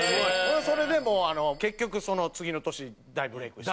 それでもう結局その次の年に大ブレークして。